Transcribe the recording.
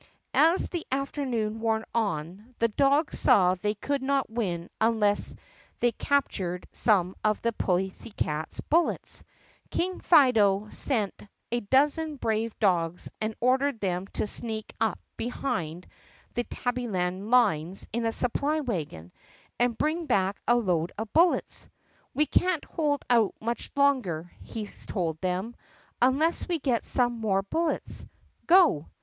As the ternoon wore on, the dogs saw they could not win unless captured some of the pussycats' bullets. King Fido s dozen brave dogs and ordered them to sneak up behn 1 lie Tabbyland lines in a supply wagon and bring back a load of bullets. "We can't hold out much longer," he told them, "unless we get some more bullets. Go!"